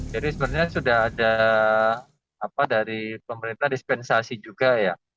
jadi sebenarnya sudah ada dari pemerintah dispensasi juga ya